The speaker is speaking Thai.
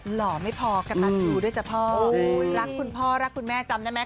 หล่อไม่พอกระตันยูด้วยจ้ะพ่อรักคุณพ่อรักคุณแม่จำได้ไหม